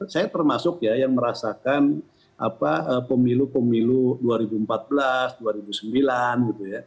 saya termasuk ya yang merasakan pemilu pemilu dua ribu empat belas dua ribu sembilan gitu ya